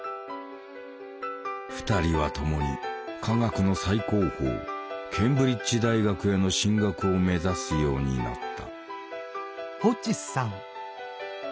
２人は共に科学の最高峰ケンブリッジ大学への進学を目指すようになった。